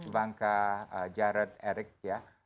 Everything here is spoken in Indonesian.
bangka jared eric ya